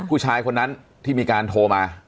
ผู้ชายคนนั้นที่มีการโทรมา